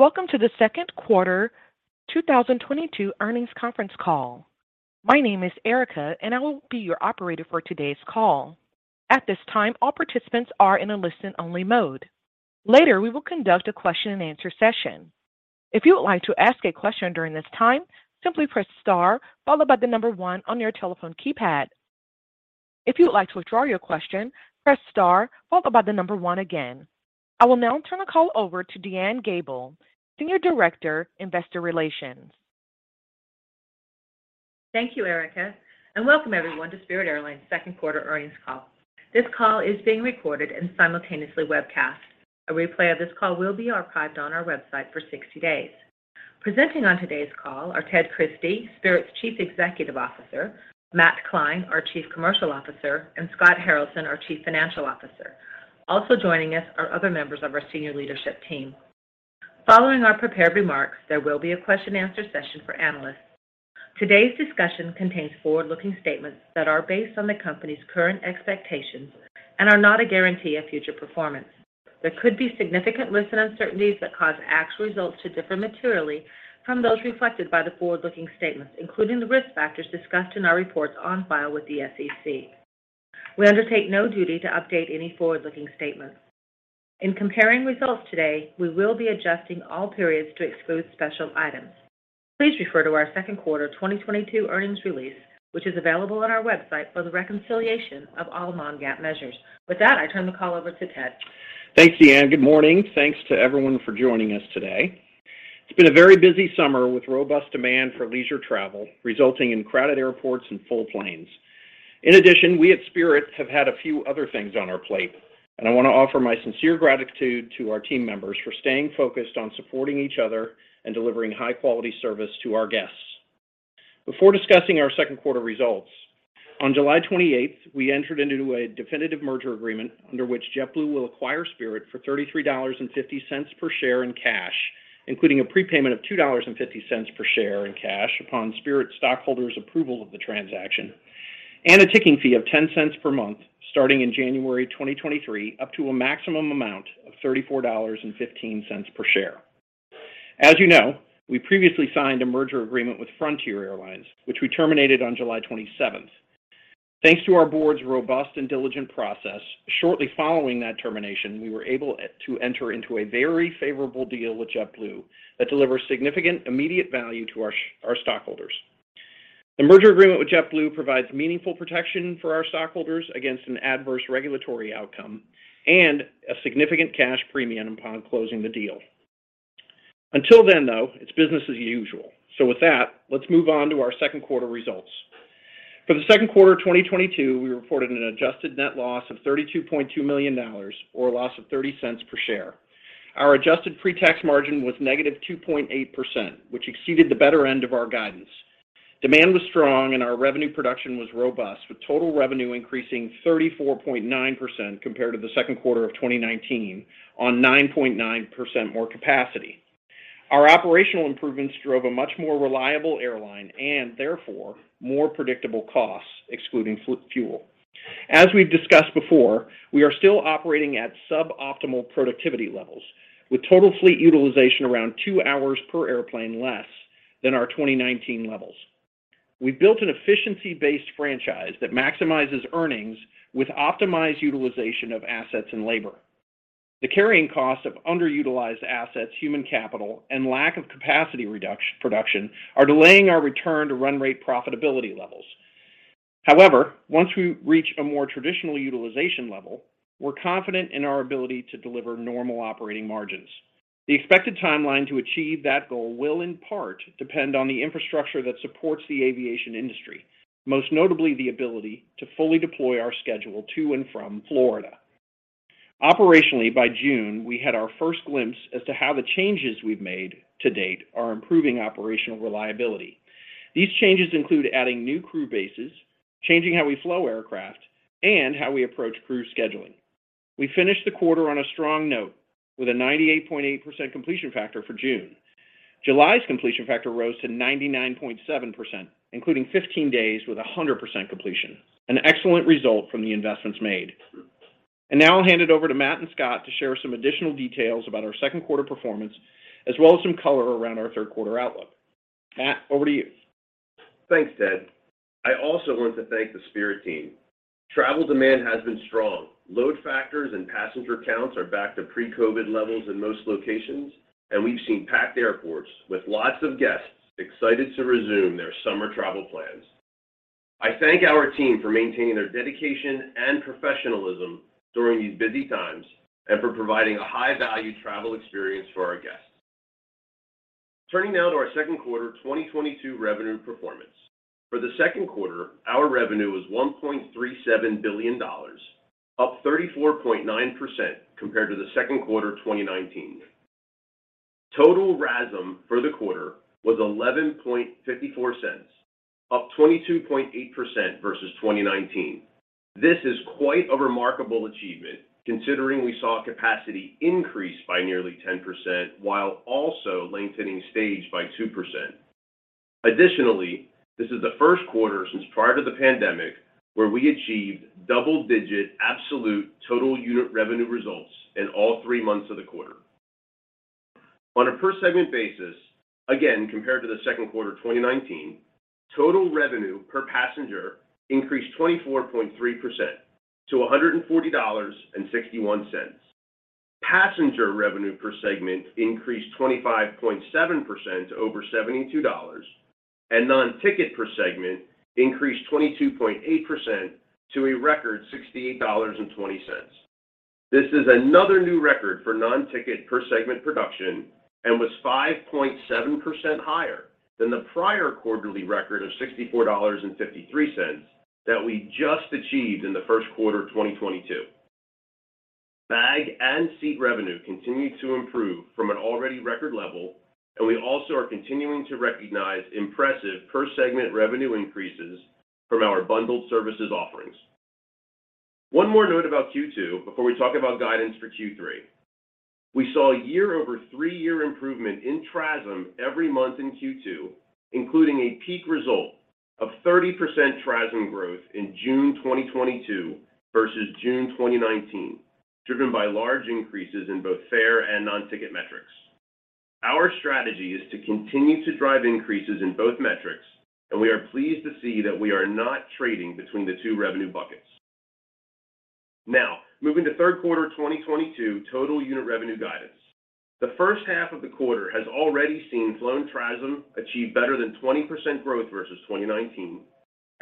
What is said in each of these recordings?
Welcome to the second quarter 2022 earnings conference call. My name is Erica, and I will be your operator for today's call. At this time, all participants are in a listen-only mode. Later, we will conduct a question-and-answer session. If you would like to ask a question during this time, simply press star followed by the number one on your telephone keypad. If you would like to withdraw your question, press star followed by the number one again. I will now turn the call over to DeAnne Gabel, Senior Director, Investor Relations. Thank you, Erica, and welcome everyone to Spirit Airlines second quarter earnings call. This call is being recorded and simultaneously webcast. A replay of this call will be archived on our website for 60 days. Presenting on today's call are Ted Christie, Spirit's Chief Executive Officer, Matt Klein, our Chief Commercial Officer, and Scott Haralson, our Chief Financial Officer. Also joining us are other members of our senior leadership team. Following our prepared remarks, there will be a Q&A session for analysts. Today's discussion contains forward-looking statements that are based on the company's current expectations and are not a guarantee of future performance. There could be significant risks and uncertainties that cause actual results to differ materially from those reflected by the forward-looking statements, including the risk factors discussed in our reports on file with the SEC. We undertake no duty to update any forward-looking statements. In comparing results today, we will be adjusting all periods to exclude special items. Please refer to our second quarter 2022 earnings release, which is available on our website for the reconciliation of all non-GAAP measures. With that, I turn the call over to Ted. Thanks, DeAnne. Good morning. Thanks to everyone for joining us today. It's been a very busy summer with robust demand for leisure travel, resulting in crowded airports and full planes. In addition, we at Spirit have had a few other things on our plate, and I want to offer my sincere gratitude to our team members for staying focused on supporting each other and delivering high-quality service to our guests. Before discussing our second quarter results, on July 28, we entered into a definitive merger agreement under which JetBlue will acquire Spirit for $33.50 per share in cash, including a prepayment of $2.50 per share in cash upon Spirit stockholders' approval of the transaction and a ticking fee of $0.10 per month starting in January 2023, up to a maximum amount of $34.15 per share. As you know, we previously signed a merger agreement with Frontier Airlines, which we terminated on July 27. Thanks to our board's robust and diligent process, shortly following that termination, we were able to enter into a very favorable deal with JetBlue that delivers significant immediate value to our stockholders. The merger agreement with JetBlue provides meaningful protection for our stockholders against an adverse regulatory outcome and a significant cash premium upon closing the deal. Until then, though, it's business as usual. With that, let's move on to our second quarter results. For the second quarter of 2022, we reported an adjusted net loss of $32.2 million or a loss of $0.30 per share. Our adjusted pre-tax margin was -2.8%, which exceeded the better end of our guidance. Demand was strong and our revenue production was robust, with total revenue increasing 34.9% compared to the second quarter of 2019 on 9.9% more capacity. Our operational improvements drove a much more reliable airline and therefore more predictable costs excluding fuel. As we've discussed before, we are still operating at sub-optimal productivity levels with total fleet utilization around two hours per airplane less than our 2019 levels. We built an efficiency-based franchise that maximizes earnings with optimized utilization of assets and labor. The carrying costs of underutilized assets, human capital, and lack of capacity production are delaying our return to run rate profitability levels. However, once we reach a more traditional utilization level, we're confident in our ability to deliver normal operating margins. The expected timeline to achieve that goal will in part depend on the infrastructure that supports the aviation industry, most notably the ability to fully deploy our schedule to and from Florida. Operationally, by June, we had our first glimpse as to how the changes we've made to date are improving operational reliability. These changes include adding new crew bases, changing how we flow aircraft, and how we approach crew scheduling. We finished the quarter on a strong note with a 98.8% completion factor for June. July's completion factor rose to 99.7%, including 15 days with 100% completion, an excellent result from the investments made. Now I'll hand it over to Matt and Scott to share some additional details about our second quarter performance, as well as some color around our third quarter outlook. Matt, over to you. Thanks, Ted. I also want to thank the Spirit team. Travel demand has been strong. Load factors and passenger counts are back to pre-COVID levels in most locations, and we've seen packed airports with lots of guests excited to resume their summer travel plans. I thank our team for maintaining their dedication and professionalism during these busy times and for providing a high-value travel experience for our guests. Turning now to our second quarter 2022 revenue performance. For the second quarter, our revenue was $1.37 billion, up 34.9% compared to the second quarter 2019. Total RASM for the quarter was $0.1154, up 22.8% versus 2019. This is quite a remarkable achievement considering we saw capacity increase by nearly 10% while also lengthening stage by 2%. Additionally, this is the first quarter since prior to the pandemic where we achieved double-digit absolute total unit revenue results in all three months of the quarter. On a per-segment basis, again, compared to the second quarter of 2019, total revenue per passenger increased 24.3% to $140.61. Passenger revenue per segment increased 25.7% to over $72, and non-ticket per segment increased 22.8% to a record $68.20. This is another new record for non-ticket per segment production and was 5.7% higher than the prior quarterly record of $64.53 that we just achieved in the first quarter of 2022. Bag and seat revenue continued to improve from an already record level, and we also are continuing to recognize impressive per-segment revenue increases from our bundled services offerings. One more note about Q2 before we talk about guidance for Q3. We saw year-over-year improvement in TRASM every month in Q2, including a peak result of 30% TRASM growth in June 2022 versus June 2019, driven by large increases in both fare and non-ticket metrics. Our strategy is to continue to drive increases in both metrics, and we are pleased to see that we are not trading between the two revenue buckets. Now, moving to third quarter 2022 total unit revenue guidance. The first half of the quarter has already seen flown TRASM achieve better than 20% growth versus 2019,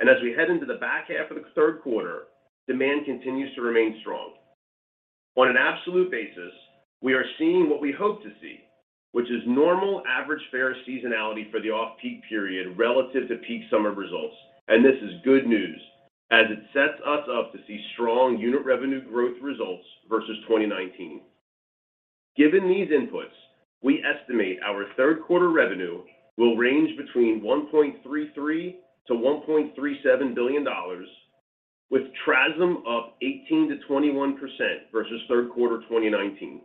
and as we head into the back half of the third quarter, demand continues to remain strong. On an absolute basis, we are seeing what we hope to see, which is normal average fare seasonality for the off-peak period relative to peak summer results. This is good news as it sets us up to see strong unit revenue growth results versus 2019. Given these inputs, we estimate our third quarter revenue will range between $1.33 billion-$1.37 billion, with TRASM up 18%-21% versus third quarter 2019.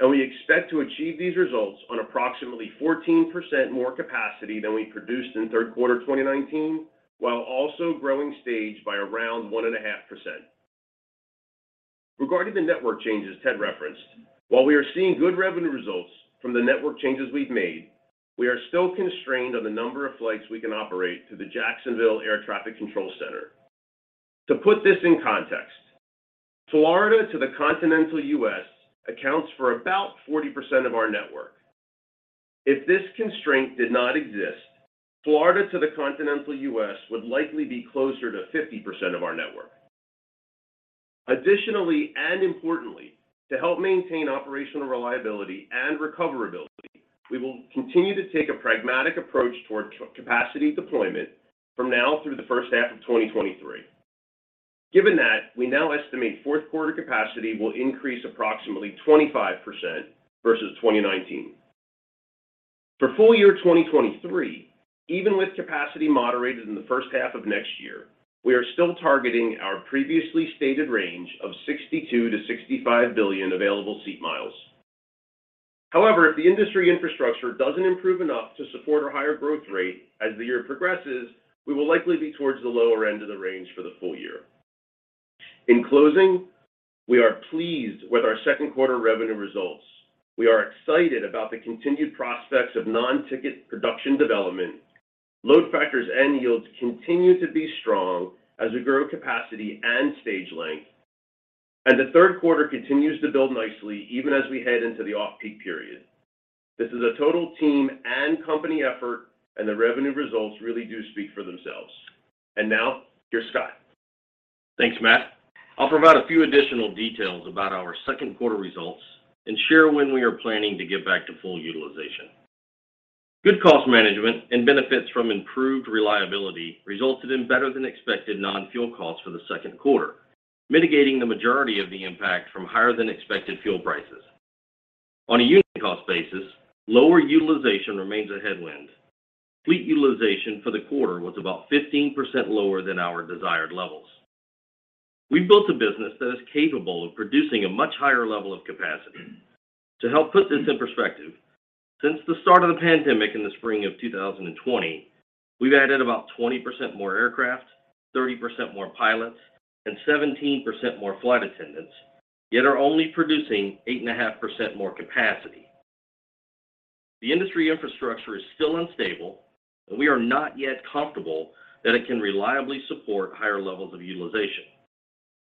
We expect to achieve these results on approximately 14% more capacity than we produced in third quarter 2019, while also growing stage by around 1.5%. Regarding the network changes Ted referenced, while we are seeing good revenue results from the network changes we've made, we are still constrained on the number of flights we can operate to the Jacksonville Air Traffic Control Center. To put this in context, Florida to the continental US accounts for about 40% of our network. If this constraint did not exist, Florida to the continental US would likely be closer to 50% of our network. Additionally, and importantly, to help maintain operational reliability and recoverability, we will continue to take a pragmatic approach toward capacity deployment from now through the first half of 2023. Given that, we now estimate fourth quarter capacity will increase approximately 25% versus 2019. For full year 2023, even with capacity moderated in the first half of next year, we are still targeting our previously stated range of 62-65 billion available seat miles. However, if the industry infrastructure doesn't improve enough to support our higher growth rate as the year progresses, we will likely be towards the lower end of the range for the full year. In closing, we are pleased with our second quarter revenue results. We are excited about the continued prospects of non-ticket product development. Load factors and yields continue to be strong as we grow capacity and stage length. The third quarter continues to build nicely even as we head into the off-peak period. This is a total team and company effort, and the revenue results really do speak for themselves. Now, here's Scott. Thanks, Matt. I'll provide a few additional details about our second quarter results and share when we are planning to get back to full utilization. Good cost management and benefits from improved reliability resulted in better-than-expected non-fuel costs for the second quarter, mitigating the majority of the impact from higher-than-expected fuel prices. On a unit cost basis, lower utilization remains a headwind. Fleet utilization for the quarter was about 15% lower than our desired levels. We've built a business that is capable of producing a much higher level of capacity. To help put this in perspective, since the start of the pandemic in the spring of 2020, we've added about 20% more aircraft, 30% more pilots, and 17% more flight attendants, yet are only producing 8.5% more capacity. The industry infrastructure is still unstable, and we are not yet comfortable that it can reliably support higher levels of utilization.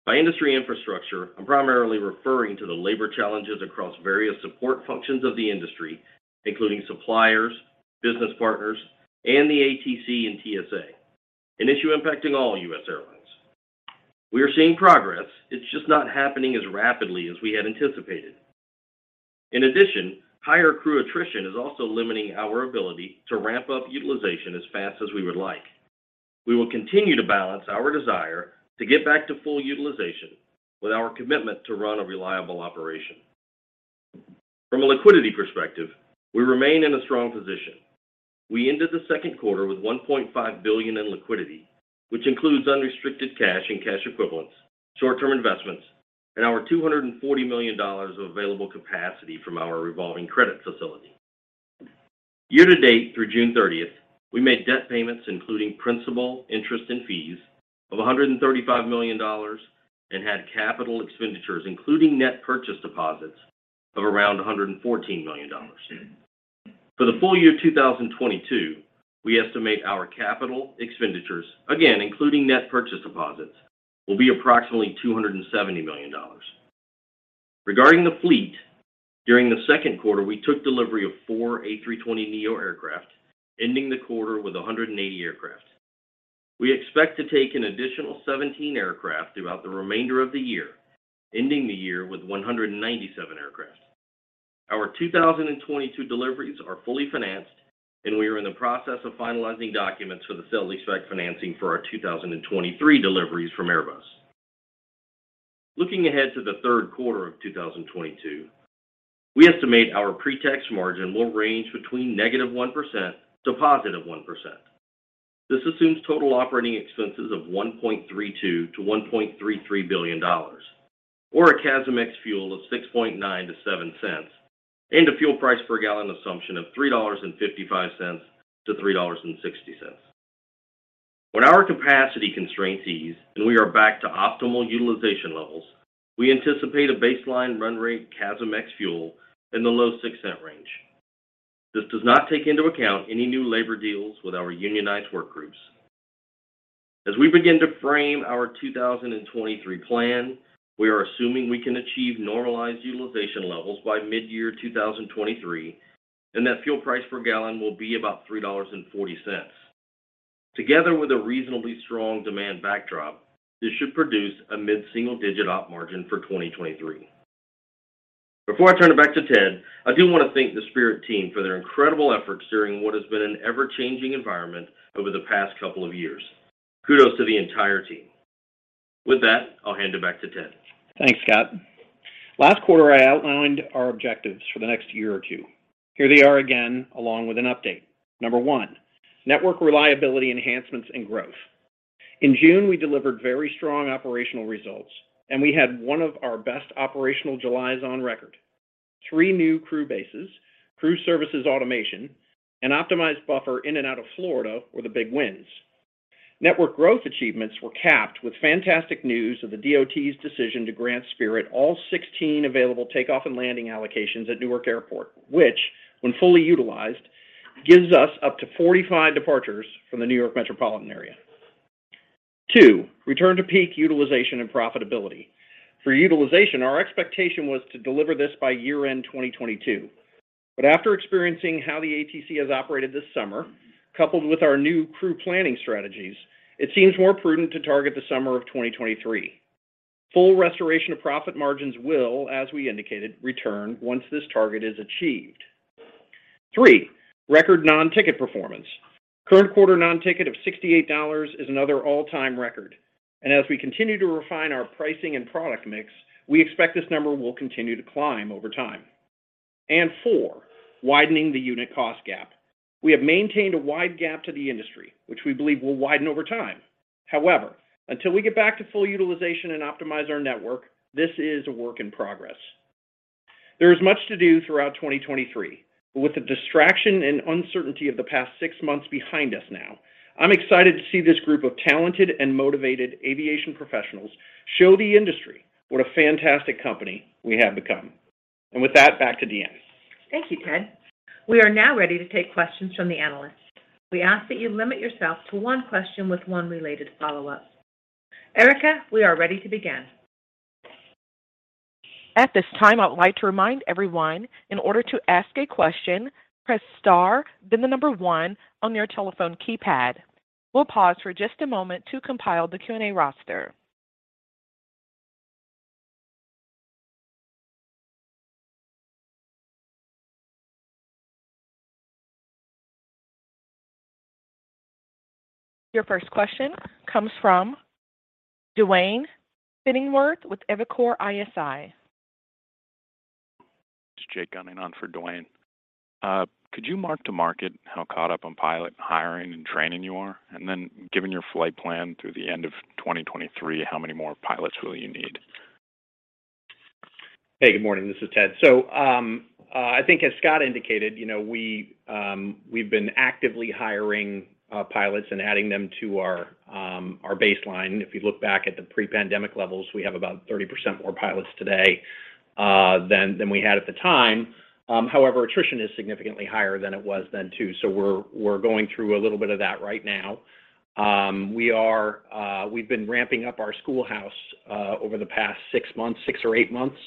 By industry infrastructure, I'm primarily referring to the labor challenges across various support functions of the industry, including suppliers, business partners, and the ATC and TSA, an issue impacting all U.S. airlines. We are seeing progress. It's just not happening as rapidly as we had anticipated. In addition, higher crew attrition is also limiting our ability to ramp up utilization as fast as we would like. We will continue to balance our desire to get back to full utilization with our commitment to run a reliable operation. From a liquidity perspective, we remain in a strong position. We ended the second quarter with $1.5 billion in liquidity. Which includes unrestricted cash and cash equivalents, short-term investments, and our $240 million of available capacity from our revolving credit facility. Year to date through June 30, we made debt payments, including principal, interest, and fees of $135 million and had capital expenditures, including net purchase deposits of around $114 million. For the full year 2022, we estimate our capital expenditures, again, including net purchase deposits, will be approximately $270 million. Regarding the fleet, during the second quarter, we took delivery of 4 A320neo aircraft, ending the quarter with 180 aircraft. We expect to take an additional 17 aircraft throughout the remainder of the year, ending the year with 197 aircraft. Our 2022 deliveries are fully financed, and we are in the process of finalizing documents for the sale and leaseback financing for our 2023 deliveries from Airbus. Looking ahead to the third quarter of 2022, we estimate our pre-tax margin will range between -1% to +1%. This assumes total operating expenses of $1.32-$1.33 billion or a CASM ex-fuel of 6.9-7 cents and a fuel price per gallon assumption of $3.55-$3.60. When our capacity constraints ease and we are back to optimal utilization levels, we anticipate a baseline run rate CASM ex-fuel in the low six-cent range. This does not take into account any new labor deals with our unionized work groups. As we begin to frame our 2023 plan, we are assuming we can achieve normalized utilization levels by mid-year 2023, and that fuel price per gallon will be about $3.40. Together with a reasonably strong demand backdrop, this should produce a mid-single-digit op margin for 2023. Before I turn it back to Ted, I do want to thank the Spirit team for their incredible efforts during what has been an ever-changing environment over the past couple of years. Kudos to the entire team. With that, I'll hand it back to Ted. Thanks, Scott. Last quarter, I outlined our objectives for the next year or two. Here they are again, along with an update. Number one, network reliability enhancements and growth. In June, we delivered very strong operational results, and we had one of our best operational Julys on record. Three new crew bases, crew services automation, an optimized buffer in and out of Florida were the big wins. Network growth achievements were capped with fantastic news of the DOT's decision to grant Spirit all 16 available takeoff and landing allocations at Newark Airport, which when fully utilized, gives us up to 45 departures from the New York Metropolitan area. Two, return to peak utilization and profitability. For utilization, our expectation was to deliver this by year-end 2022. After experiencing how the ATC has operated this summer, coupled with our new crew planning strategies, it seems more prudent to target the summer of 2023. Full restoration of profit margins will, as we indicated, return once this target is achieved. Three, record non-ticket performance. Current quarter non-ticket of $68 is another all-time record. As we continue to refine our pricing and product mix, we expect this number will continue to climb over time. Four, widening the unit cost gap. We have maintained a wide gap to the industry, which we believe will widen over time. However, until we get back to full utilization and optimize our network, this is a work in progress. There is much to do throughout 2023. With the distraction and uncertainty of the past six months behind us now, I'm excited to see this group of talented and motivated aviation professionals show the industry what a fantastic company we have become. With that, back to DeAnne. Thank you, Ted. We are now ready to take questions from the analysts. We ask that you limit yourself to one question with one related follow-up. Erica, we are ready to begin. At this time, I'd like to remind everyone in order to ask a question, press star then the number one on your telephone keypad. We'll pause for just a moment to compile the Q&A roster. Your first question comes from Duane Pfennigwerth with Evercore ISI. It's Jake Gunning on for Duane. Could you mark to market how caught up on pilot hiring and training you are? Given your flight plan through the end of 2023, how many more pilots will you need? Hey, good morning, this is Ted. I think as Scott indicated, you know, we've been actively hiring pilots and adding them to our baseline. If you look back at the pre-pandemic levels, we have about 30% more pilots today than we had at the time. However, attrition is significantly higher than it was then, too. We're going through a little bit of that right now. We've been ramping up our schoolhouse over the past six months, six or eight months,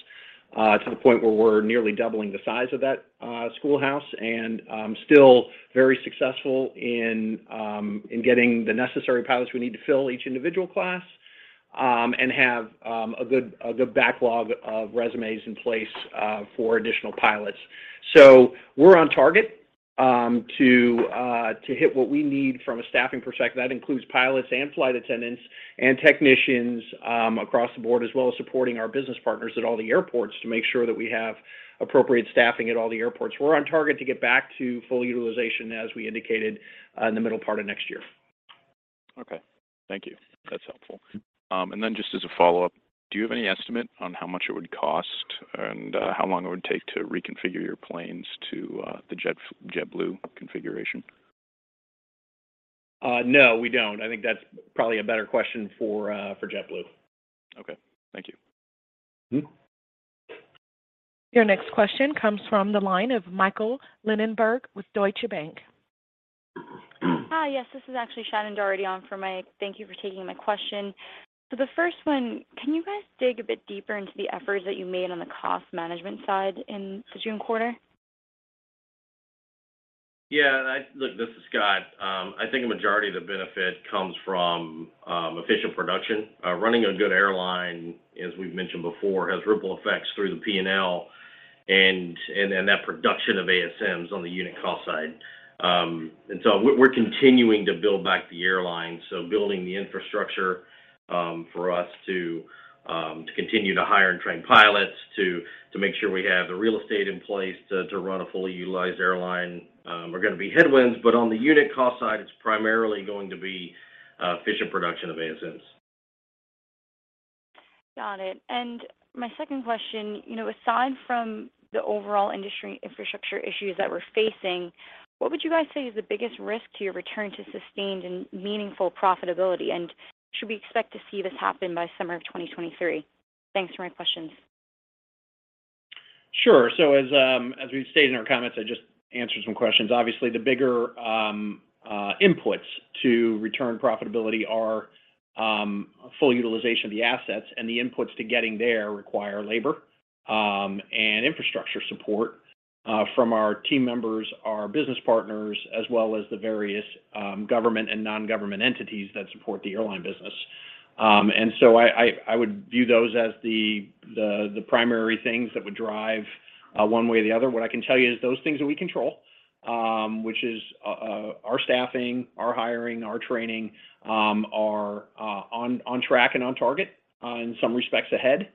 to the point where we're nearly doubling the size of that schoolhouse and still very successful in getting the necessary pilots, we need to fill each individual class and have a good backlog of resumes in place for additional pilots. We're on target to hit what we need from a staffing perspective. That includes pilots and flight attendants and technicians across the board, as well as supporting our business partners at all the airports to make sure that we have appropriate staffing at all the airports. We're on target to get back to full utilization, as we indicated, in the middle part of next year. Okay. Thank you. That's helpful. Just as a follow-up, do you have any estimate on how much it would cost and how long it would take to reconfigure your planes to the JetBlue configuration? No, we don't. I think that's probably a better question for JetBlue. Okay. Thank you. Mm-hmm. Your next question comes from the line of Michael Linenberg with Deutsche Bank. Hi, yes, this is actually Shannon Doherty on for Michael Linenberg. Thank you for taking my question. The first one, can you guys dig a bit deeper into the efforts that you made on the cost management side in the June quarter? Yeah. Look, this is Scott. I think a majority of the benefit comes from efficient production. Running a good airline, as we've mentioned before, has ripple effects through the P&L and that production of ASMs on the unit cost side. We're continuing to build back the airline, so building the infrastructure for us to continue to hire and train pilots, to make sure we have the real estate in place to run a fully utilized airline are gonna be headwinds. On the unit cost side, it's primarily going to be efficient production of ASMs. Got it. My second question, you know, aside from the overall industry infrastructure issues that we're facing, what would you guys say is the biggest risk to your return to sustained and meaningful profitability? Should we expect to see this happen by summer of 2023? Thanks for my questions. Sure. As we've stated in our comments that just answered some questions, obviously the bigger inputs to return profitability are full utilization of the assets, and the inputs to getting there require labor and infrastructure support from our team members, our business partners, as well as the various government and non-government entities that support the airline business. I would view those as the primary things that would drive one way or the other. What I can tell you is those things that we control, which is our staffing, our hiring, our training, are on track and on target, in some respects ahead,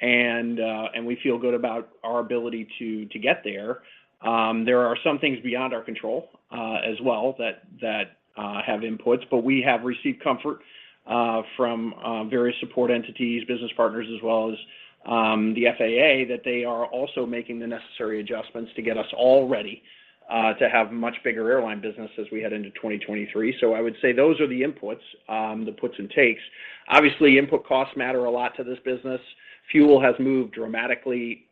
and we feel good about our ability to get there. There are some things beyond our control as well that have inputs, but we have received comfort from various support entities, business partners, as well as the FAA, that they are also making the necessary adjustments to get us all ready to have much bigger airline business as we head into 2023. I would say those are the inputs, the puts and takes. Obviously, input costs matter a lot to this business. Fuel has moved dramatically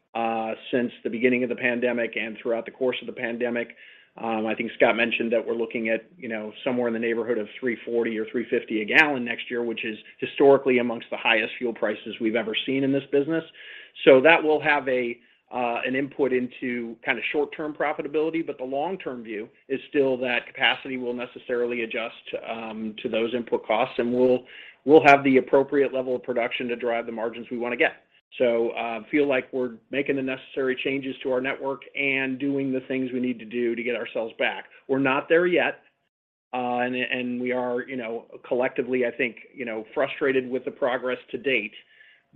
since the beginning of the pandemic and throughout the course of the pandemic. I think Scott mentioned that we're looking at, you know, somewhere in the neighborhood of $3.40-$3.50 a gallon next year, which is historically among the highest fuel prices we've ever seen in this business. That will have an input into kind of short-term profitability, but the long-term view is still that capacity will necessarily adjust to those input costs, and we'll have the appropriate level of production to drive the margins we wanna get. Feel like we're making the necessary changes to our network and doing the things we need to do to get ourselves back. We're not there yet, and we are, you know, collectively, I think, you know, frustrated with the progress to date,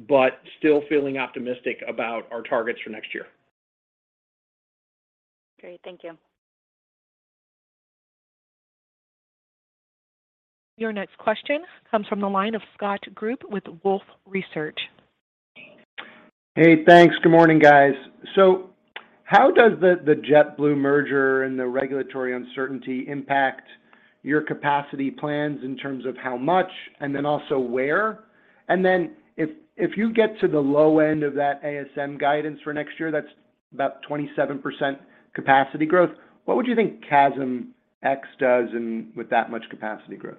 but still feeling optimistic about our targets for next year. Great. Thank you. Your next question comes from the line of Scott Group with Wolfe Research. Hey, thanks. Good morning, guys. How does the JetBlue merger and the regulatory uncertainty impact your capacity plans in terms of how much, and then also where? If you get to the low end of that ASM guidance for next year, that's about 27% capacity growth, what would you think CASM ex does with that much capacity growth?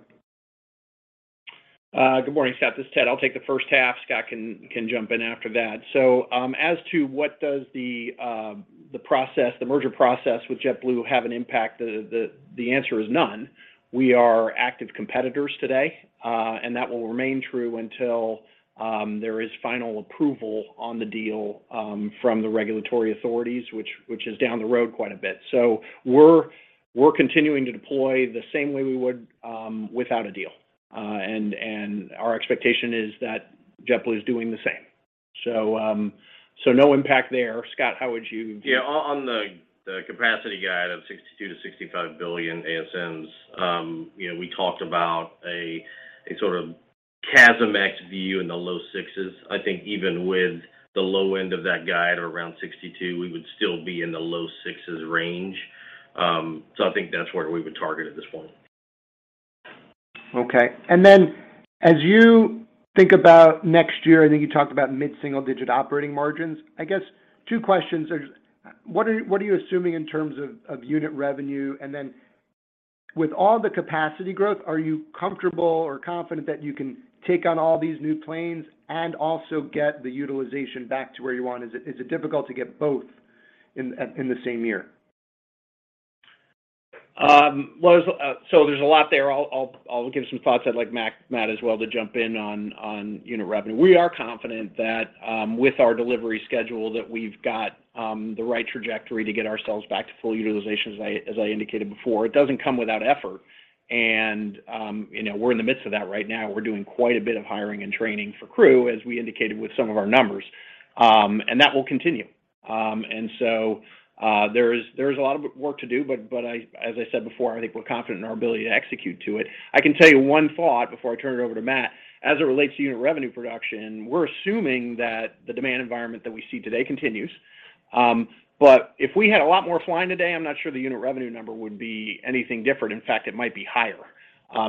Good morning, Scott. This is Ted. I'll take the first half. Scott can jump in after that. As to what does the process, the merger process with JetBlue have an impact, the answer is none. We are active competitors today, and that will remain true until there is final approval on the deal from the regulatory authorities, which is down the road quite a bit. We're continuing to deploy the same way we would without a deal, and our expectation is that JetBlue is doing the same. No impact there. Scott, how would you view- Yeah, on the capacity guide of 62-65 billion ASMs, you know, we talked about a sort of CASM ex view in the low sixes. I think even with the low end of that guide or around 62, we would still be in the low sixes range. I think that's where we would target at this point. Okay. As you think about next year, I think you talked about mid-single-digit operating margins. I guess two questions. What are you assuming in terms of unit revenue? And then with all the capacity growth, are you comfortable or confident that you can take on all these new planes and also get the utilization back to where you want? Is it difficult to get both in the same year? Well, there's a lot there. I'll give some thoughts. I'd like Matt as well to jump in on unit revenue. We are confident that with our delivery schedule that we've got the right trajectory to get ourselves back to full utilization, as I indicated before. It doesn't come without effort, and you know, we're in the midst of that right now. We're doing quite a bit of hiring and training for crew, as we indicated with some of our numbers. That will continue. There is a lot of work to do, but I, as I said before, I think we're confident in our ability to execute to it. I can tell you one thought before I turn it over to Matt. As it relates to unit revenue production, we're assuming that the demand environment that we see today continues. If we had a lot more flying today, I'm not sure the unit revenue number would be anything different. In fact, it might be higher,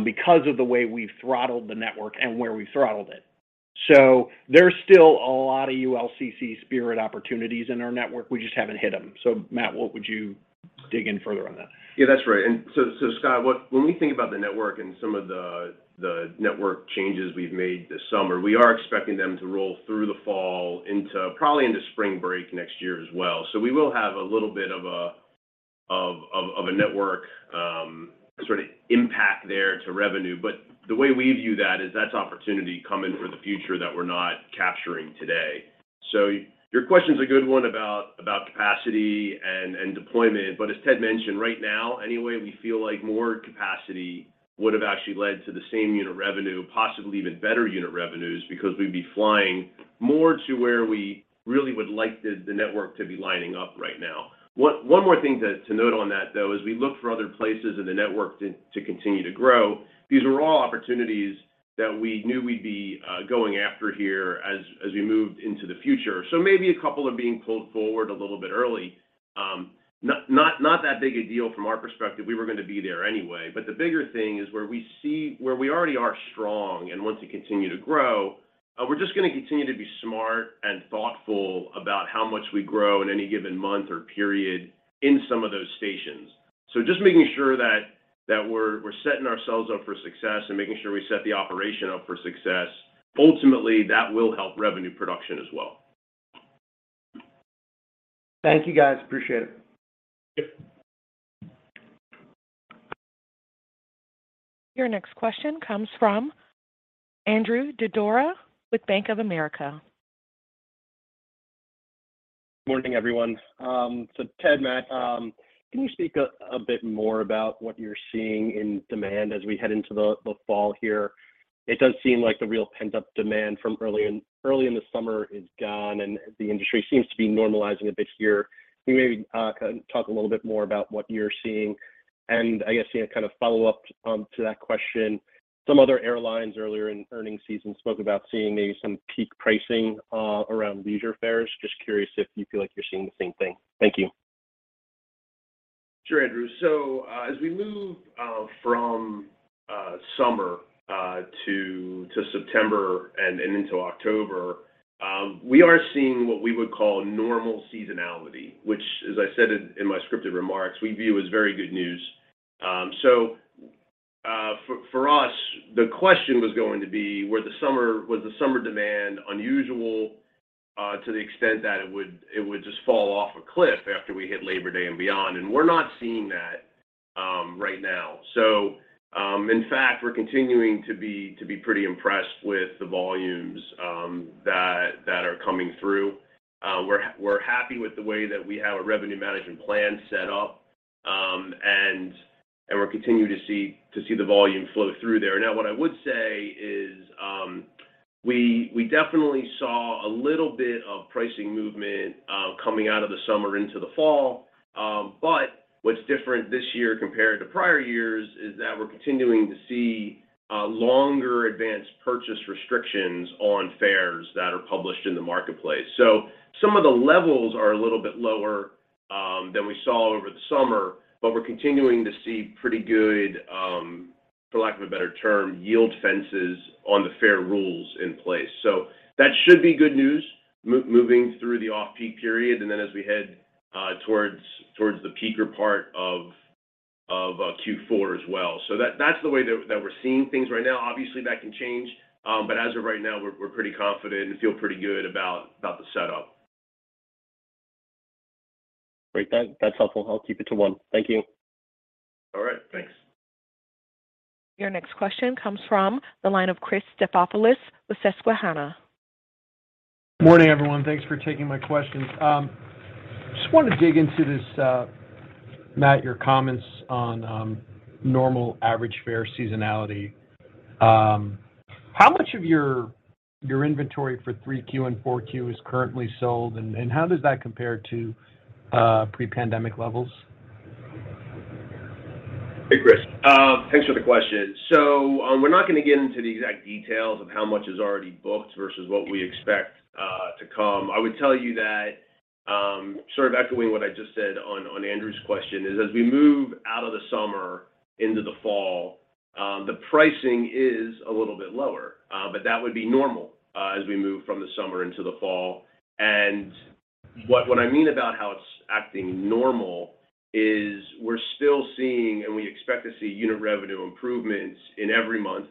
because of the way we've throttled the network and where we throttled it. There's still a lot of ULCC Spirit opportunities in our network, we just haven't hit them. Matt, what would you dig in further on that? Yeah, that's right. Scott, when we think about the network and some of the network changes we've made this summer, we are expecting them to roll through the fall into probably spring break next year as well. We will have a little bit of a network sort of impact there to revenue. The way we view that is that's opportunity coming for the future that we're not capturing today. Your question's a good one about capacity and deployment. As Ted mentioned, right now anyway, we feel like more capacity would have actually led to the same unit revenue, possibly even better unit revenues, because we'd be flying more to where we really would like the network to be lining up right now. One more thing to note on that, though, as we look for other places in the network to continue to grow, these are all opportunities that we knew we'd be going after here as we moved into the future. Maybe a couple are being pulled forward a little bit early. Not that big a deal from our perspective, we were gonna be there anyway. The bigger thing is where we already are strong and want to continue to grow, we're just gonna continue to be smart and thoughtful about how much we grow in any given month or period in some of those stations. Just making sure that we're setting ourselves up for success and making sure we set the operation up for success. Ultimately, that will help revenue production as well. Thank you, guys. Appreciate it. Yep. Your next question comes from Andrew Didora with Bank of America. Morning, everyone. Ted, Matt, can you speak a bit more about what you're seeing in demand as we head into the fall here? It does seem like the real pent-up demand from early in the summer is gone, and the industry seems to be normalizing a bit here. Can you maybe kind of talk a little bit more about what you're seeing? I guess, you know, kind of follow up to that question, some other airlines earlier in earnings season spoke about seeing maybe some peak pricing around leisure fares. Just curious if you feel like you're seeing the same thing. Thank you. Sure, Andrew. As we move from summer to September and into October, we are seeing what we would call normal seasonality, which as I said in my scripted remarks, we view as very good news. For us, the question was going to be, was the summer demand unusual to the extent that it would just fall off a cliff after we hit Labor Day and beyond? We're not seeing that right now. In fact, we're continuing to be pretty impressed with the volumes that are coming through. We're happy with the way that we have our revenue management plan set up. We're continuing to see the volume flow through there. Now, what I would say is, we definitely saw a little bit of pricing movement, coming out of the summer into the fall. What's different this year compared to prior years is that we're continuing to see longer Advance Purchase Restrictions on fares that are published in the marketplace. Some of the levels are a little bit lower than we saw over the summer, but we're continuing to see pretty good, for lack of a better term, Yield Fences on the fare rules in place. That should be good news moving through the off-peak period and then as we head towards the peakier part of Q4 as well. That's the way that we're seeing things right now. Obviously, that can change. As of right now, we're pretty confident and feel pretty good about the setup. Great. That's helpful. I'll keep it to one. Thank you. All right. Thanks. Your next question comes from the line of Christopher Stathoulopoulos with Susquehanna. Morning, everyone. Thanks for taking my questions. Just wanted to dig into this, Matt, your comments on normal average fare seasonality. How much of your inventory for 3Q and 4Q is currently sold, and how does that compare to pre-pandemic levels? Hey, Chris. Thanks for the question. We're not gonna get into the exact details of how much is already booked versus what we expect to come. I would tell you that, sort of echoing what I just said on Andrew's question is, as we move out of the summer into the fall, the pricing is a little bit lower. That would be normal, as we move from the summer into the fall. What I mean about how it's acting normal is we're still seeing, and we expect to see unit revenue improvements in every month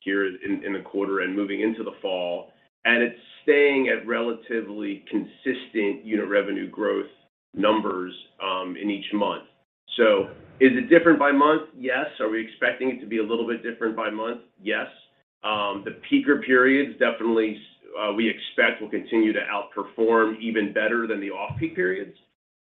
here in the quarter and moving into the fall. It's staying at relatively consistent unit revenue growth numbers in each month. Is it different by month? Yes. Are we expecting it to be a little bit different by month? Yes. The peakier periods definitely, we expect will continue to outperform even better than the off-peak periods.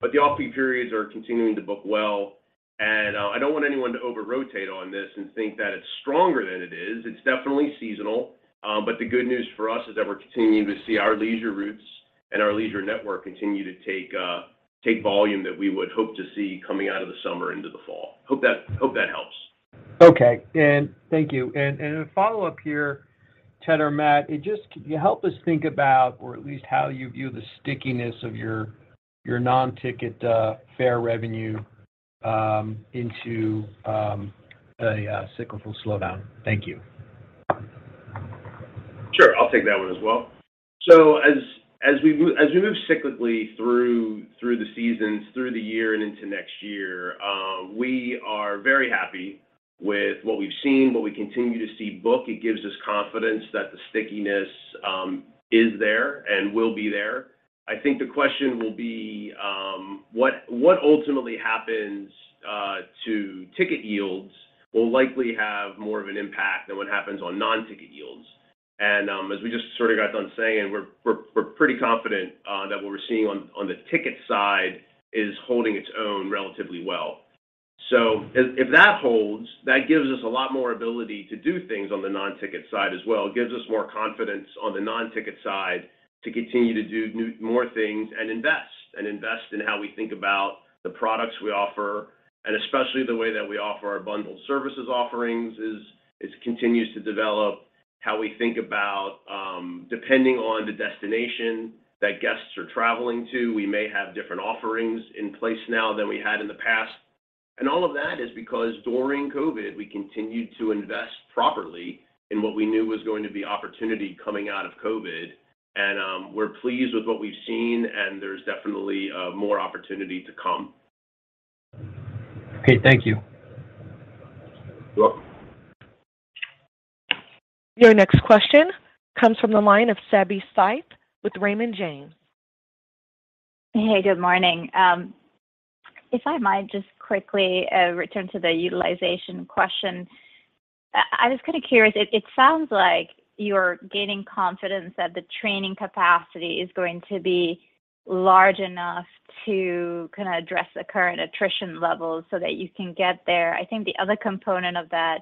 The off-peak periods are continuing to book well, and I don't want anyone to over-rotate on this and think that it's stronger than it is. It's definitely seasonal. The good news for us is that we're continuing to see our leisure routes and our leisure network continue to take volume that we would hope to see coming out of the summer into the fall. Hope that helps. Thank you. A follow-up here, Ted or Matt. Can you help us think about, or at least how you view the stickiness of your non-ticket fare revenue into a cyclical slowdown? Thank you. Sure. I'll take that one as well. As we move cyclically through the seasons, through the year and into next year, we are very happy with what we've seen, what we continue to see book. It gives us confidence that the stickiness is there and will be there. I think the question will be what ultimately happens to ticket yields will likely have more of an impact than what happens on non-ticket yields. As we just sort of got done saying, we're pretty confident that what we're seeing on the ticket side is holding its own relatively well. If that holds, that gives us a lot more ability to do things on the non-ticket side as well. It gives us more confidence on the non-ticket side to continue to do more things and invest in how we think about the products we offer, and especially the way that we offer our bundled services offerings continues to develop how we think about depending on the destination that guests are traveling to. We may have different offerings in place now than we had in the past. All of that is because during COVID, we continued to invest properly in what we knew was going to be opportunity coming out of COVID, and we're pleased with what we've seen, and there's definitely more opportunity to come. Okay. Thank you. You're welcome. Your next question comes from the line of Savanthi Syth with Raymond James. Hey, good morning. If I might just quickly return to the utilization question. I was kind of curious, it sounds like you're gaining confidence that the training capacity is going to be large enough to kind of address the current attrition levels so that you can get there. I think the other component of that,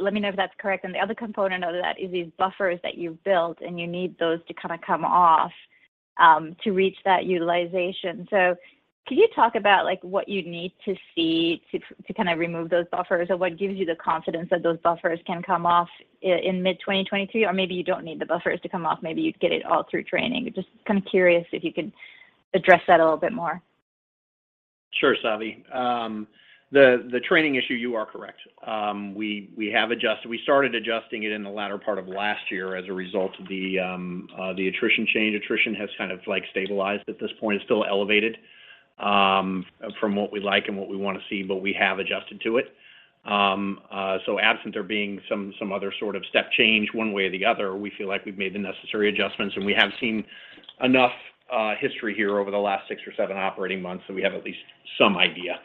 let me know if that's correct, and the other component of that is these buffers that you've built, and you need those to kind of come off to reach that utilization. Can you talk about, like, what you'd need to see to kind of remove those buffers or what gives you the confidence that those buffers can come off in mid-2023? Or maybe you don't need the buffers to come off, maybe you'd get it all through training. Just kind of curious if you could address that a little bit more. Sure, Savi. The training issue, you are correct. We have adjusted. We started adjusting it in the latter part of last year as a result of the attrition change. Attrition has kind of like stabilized at this point. It's still elevated from what we like and what we wanna see, but we have adjusted to it. Absent there being some other sort of step change one way or the other, we feel like we've made the necessary adjustments, and we have seen enough history here over the last six or seven operating months, so we have at least some idea.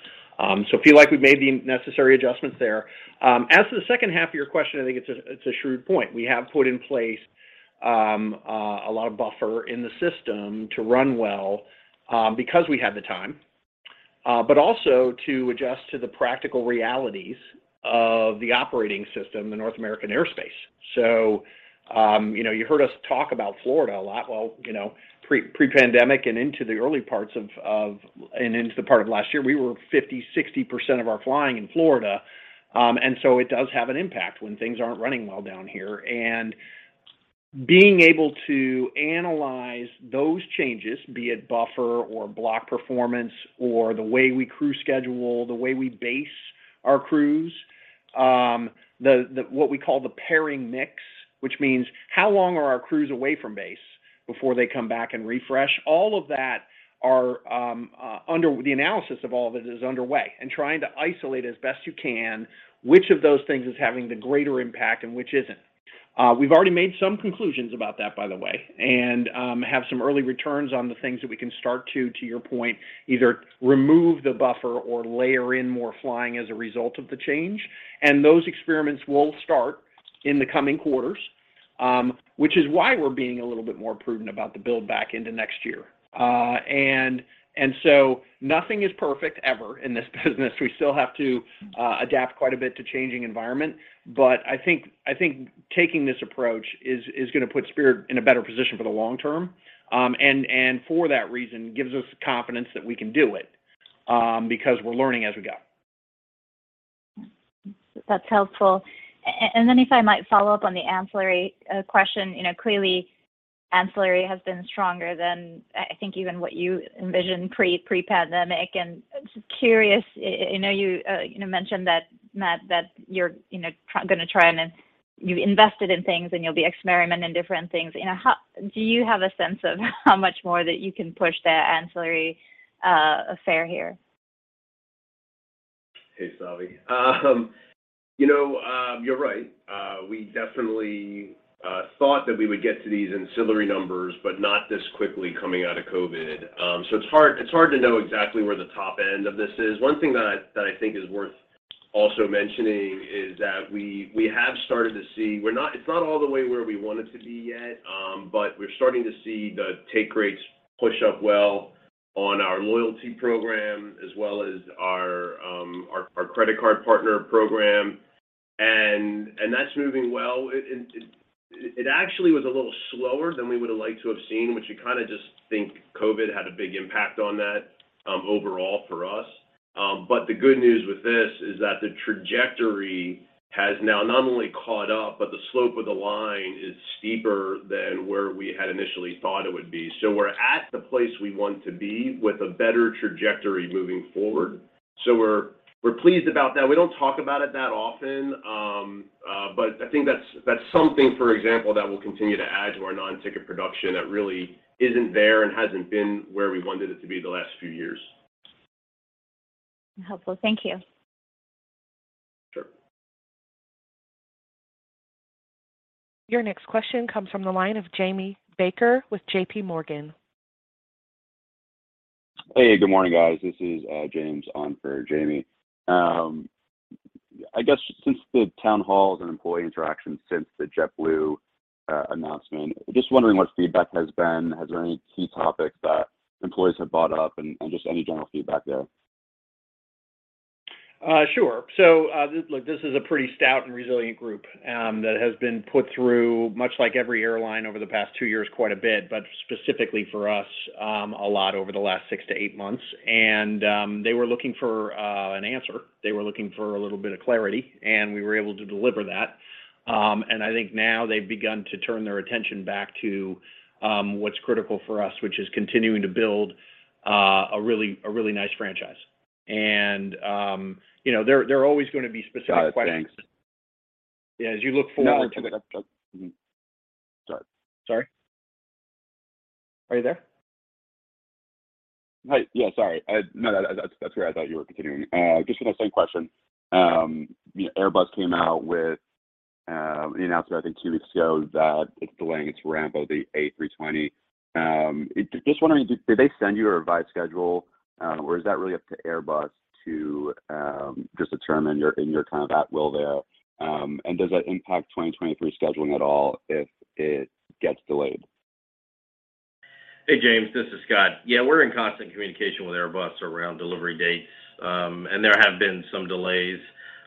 Feel like we've made the necessary adjustments there. As to the second half of your question, I think it's a shrewd point. We have put in place a lot of buffer in the system to run well because we had the time but also to adjust to the practical realities of the operating system, the North American airspace. You know, you heard us talk about Florida a lot. Well, you know, pre-pandemic and into the early parts of last year, we were 50%-60% of our flying in Florida. It does have an impact when things aren't running well down here. Being able to analyze those changes, be it buffer or block performance or the way we crew schedule, the way we base our crews, the what we call the pairing mix, which means how long are our crews away from base before they come back and refresh? The analysis of all of it is underway and trying to isolate as best you can which of those things is having the greater impact and which isn't. We've already made some conclusions about that, by the way, and have some early returns on the things that we can start to your point, either remove the buffer or layer in more flying as a result of the change. Those experiments will start in the coming quarters, which is why we're being a little bit more prudent about the build-back into next year. Nothing is perfect ever in this business. We still have to adapt quite a bit to changing environment, but I think taking this approach is gonna put Spirit in a better position for the long term. For that reason, gives us confidence that we can do it, because we're learning as we go. That's helpful. Then if I might follow up on the ancillary question. You know, clearly ancillary has been stronger than I think even what you envisioned pre-pandemic. Just curious, you know, mentioned that, Matt, that you're, you know, gonna try and, you invested in things and you'll be experimenting different things. You know, how do you have a sense of how much more that you can push that ancillary fare here? Hey, Savi. You know, you're right. We definitely thought that we would get to these ancillary numbers, but not this quickly coming out of COVID. It's hard to know exactly where the top end of this is. One thing that I think is worth Mentioning that we have started to see. It's not all the way where we wanted to be yet, but we're starting to see the take rates push up well on our loyalty program, as well as our credit card partner program. That's moving well. It actually was a little slower than we would have liked to have seen, which we kind of just think COVID had a big impact on that, overall for us. The good news with this is that the trajectory has now not only caught up, but the slope of the line is steeper than where we had initially thought it would be. We're at the place we want to be with a better trajectory moving forward. We're pleased about that. We don't talk about it that often, but I think that's something, for example, that will continue to add to our non-ticket production that really isn't there and hasn't been where we wanted it to be the last few years. Helpful. Thank you. Sure. Your next question comes from the line of Jamie Baker with J.P. Morgan. Hey, good morning, guys. This is James on for Jamie. I guess since the town halls and employee interactions since the JetBlue announcement, just wondering what feedback has been. Has there been any key topics that employees have brought up, and just any general feedback there? Sure. Look, this is a pretty stout and resilient group that has been put through much like every airline over the past two years, quite a bit, but specifically for us, a lot over the last six to eight months. They were looking for an answer. They were looking for a little bit of clarity, and we were able to deliver that. I think now they've begun to turn their attention back to what's critical for us, which is continuing to build a really nice franchise. You know, there are always gonna be specific questions. Got it. Thanks. As you look forward to the. No, I. Sorry. Sorry? Are you there? Hi. Yeah, sorry. No, that's fair. I thought you were continuing. Just the same question. Airbus came out with the announcement, I think two weeks ago, that it's delaying its ramp of the A320. Just wondering, did they send you a revised schedule, or is that really up to Airbus to just determine your schedule at will there? Does that impact 2023 scheduling at all if it gets delayed? Hey, James, this is Scott. Yeah, we're in constant communication with Airbus around delivery dates. There have been some delays.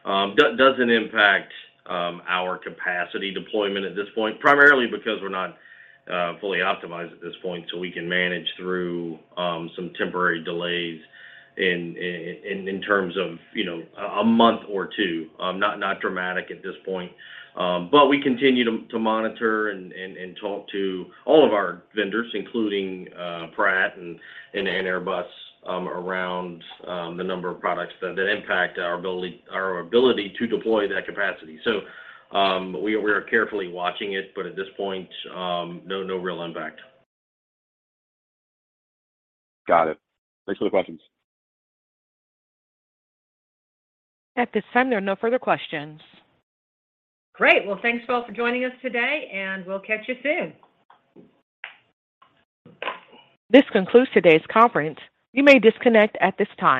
Doesn't impact our capacity deployment at this point, primarily because we're not fully optimized at this point, so we can manage through some temporary delays in terms of you know a month or two. Not dramatic at this point. We continue to monitor and talk to all of our vendors, including Pratt & Whitney and Airbus around the number of products that impact our ability to deploy that capacity. We are carefully watching it, but at this point no real impact. Got it. Thanks for the questions. At this time, there are no further questions. Great. Well, thanks all for joining us today, and we'll catch you soon. This concludes today's conference. You may disconnect at this time.